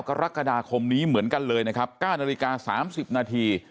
กรกฎาคมนี้เหมือนกันเลยนะครับ๙นาฬิกา๓๐นาที